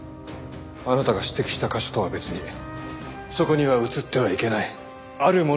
あなたが指摘した箇所とは別にそこには映ってはいけないあるものが映っていました。